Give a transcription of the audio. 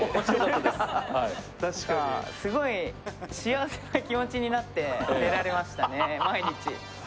幸せな気持ちになって寝られましたね、毎日。